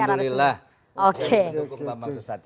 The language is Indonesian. alhamdulillah saya pendukung bama susatyo